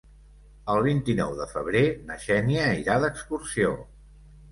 El vint-i-nou de febrer na Xènia irà d'excursió.